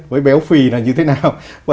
với béo phì là như thế nào